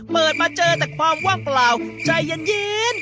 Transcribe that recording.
เปิดมาเจอแต่ความว่างเปล่าใจเย็น